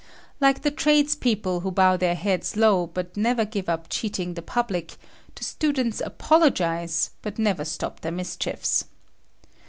Like the tradespeople who bow their heads low but never give up cheating the public, the students apologize but never stop their mischiefs.